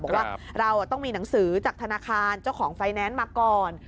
บอกว่าเราต้องมีหนังสือจากธนาคารเจ้าของไฟแนนซ์มาก่อน